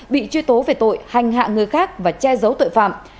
bị truy tố về tội hành hạ người khác và che giấu tội phạm